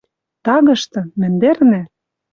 Тагышты, мӹндӹрнӹ